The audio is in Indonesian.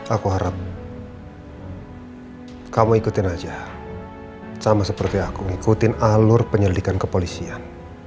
aku harap kamu ikutin aja sama seperti aku ngikutin alur penyelidikan kepolisian